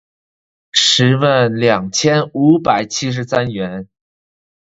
十万两千五百七十三元